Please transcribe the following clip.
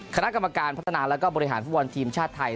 คณะกรรมการพัฒนาและบริหารฟุตบอลทีมชาติไทย